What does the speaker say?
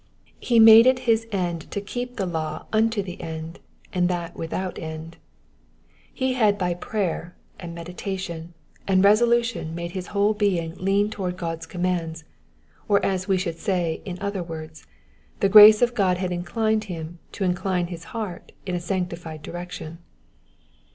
He made it his end to keep the law unto the end, and that without end. He had by prayer, and meditation, and resolution made his whole being lean towards God's commands ; or as we should say in other words — the grace of God had inclined him to incline his heart in a sanctified direction.